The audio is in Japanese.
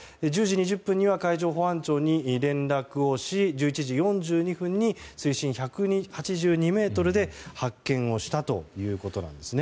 １０時２０分には海上保安庁に連絡をし１１時４２分に水深１８２ｍで発見をしたということです。